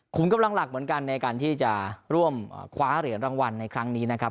กำลังหลักเหมือนกันในการที่จะร่วมคว้าเหรียญรางวัลในครั้งนี้นะครับ